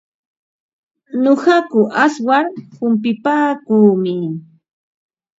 Nuqaku awsar humpipaakuumi.